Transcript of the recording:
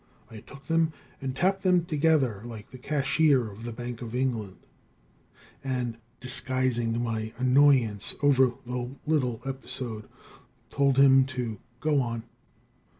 I took them and tapped them together like the cashier of the Bank of England, and, disguising my annoyance over the little episode, told him to go on.